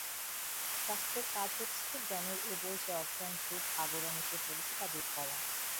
শাস্ত্রের কাজ হচ্ছে জ্ঞানের উপর যে অজ্ঞানরূপ আবরণ এসে পড়েছে, তা দূর করা।